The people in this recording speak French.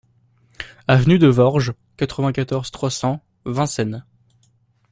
Avenue de Vorges, quatre-vingt-quatorze, trois cents Vincennes